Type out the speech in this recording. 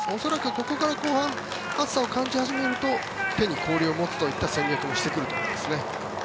ここから後半暑さを感じ始めると手に氷を持つといった戦略もしてくると思います。